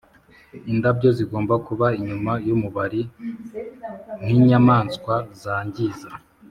indabyo zigomba kuba inyuma yumubari nkinyamaswa zangiza;